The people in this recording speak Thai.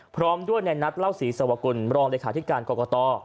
พรอมด้วยในนัดเล่าสีสวกลรองงเรขาอาทิตย์การกรกต